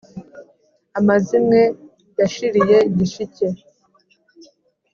«amazimwe yashiriye gishike !»